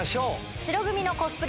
白組のコスプレ